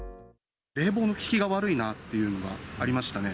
冷房の効きが悪いなっていうのがありましたね。